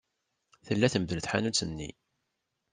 Tella temdel tḥanut-nni.